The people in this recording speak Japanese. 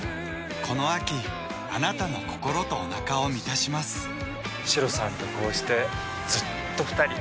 この秋あなたの心とおなかを満たしますシロさんとこうしてずっと２人。